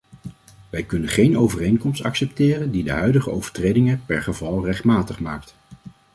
Wij kunnen geen overeenkomst accepteren die de huidige overtredingen per geval rechtmatig maakt.